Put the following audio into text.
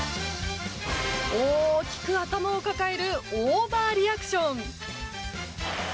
大きく頭を抱えるオーバーリアクション。